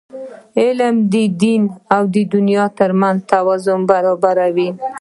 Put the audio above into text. علم د دین او دنیا ترمنځ توازن برابروي.